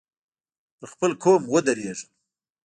پر خپل قول ودرېږم.